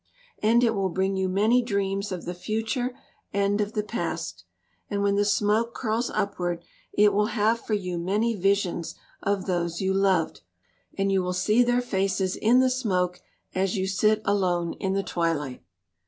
And it will bring you many dreams of the future and of the past. And when the smoke curls upwards it will have for you many visions of those you loved, and you will see their faces in the smoke as you sit alone in the twilight."